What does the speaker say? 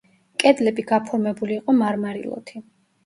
კედლები გაფორმებული იყო მარმარილოთი.